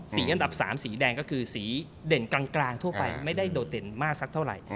อันดับ๓สีแดงก็คือสีเด่นกลางทั่วไปไม่ได้โดดเด่นมากสักเท่าไหร่